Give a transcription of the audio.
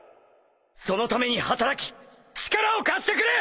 そのために働き力を貸してくれ！